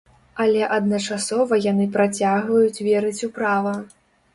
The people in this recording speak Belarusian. Але адначасова яны працягваюць верыць у права.